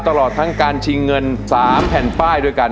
ตลอดทั้งการชิงเงิน๓แผ่นป้ายด้วยกัน